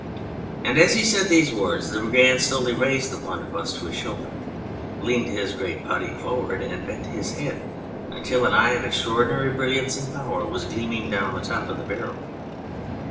As he said these words the Brigand slowly raised the blunderbuss to his shoulder, leaned his great body forward, and bent his head until an eye of extraordinary brilliance and power was gleaming down the top of the barrel.